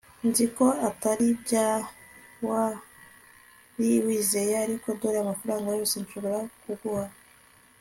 Nzi ko atari byo wari wizeye ariko dore amafaranga yose nshobora kuguha